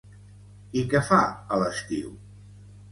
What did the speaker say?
I què fa a l'estiu?